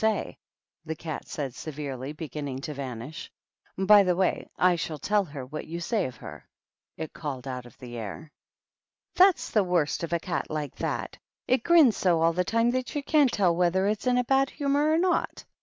say," the Cat said, severely, beginning to vanish. " By the way, I shall tell her what you Bay of her," it called out of the air. " That's the worst of a cat like that ; it grina bo all the time that you can't tell whether it's in a bad humor or not.